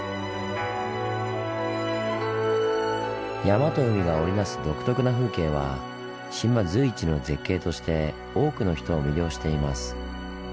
山と海が織り成す独特な風景は島随一の絶景として多くの人を魅了しています。